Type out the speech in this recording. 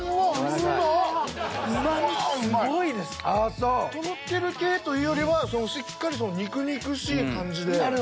トロける系というよりはしっかり肉々しい感じで。